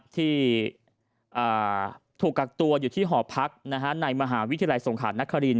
ที่ถูกกักตัวอยู่ที่หอพักในมหาวิทยาลัยสงขานคริน